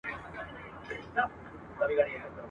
څوچي غرونه وي پرځمکه ..